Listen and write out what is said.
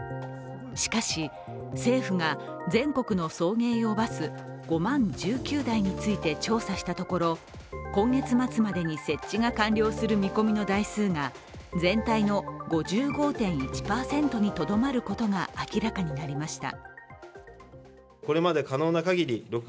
しかし、政府が全国の送迎用バス５万１９台について調査したところ今月末までに設置が完了する見込みの台数が、全体の５５．１％にとどまることが明らかになりました。